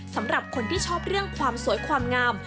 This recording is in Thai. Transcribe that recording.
สำหรับคนที่ชอบเรื่องความสวยความงาม